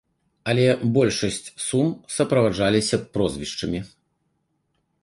Але большасць сум суправаджаліся прозвішчамі.